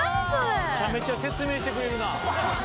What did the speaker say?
めちゃめちゃ説明してくれるな。